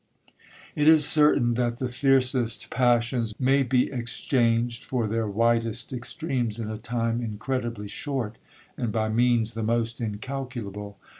'It is certain that the fiercest passions may be exchanged for their widest extremes in a time incredibly short, and by means the most incalculable.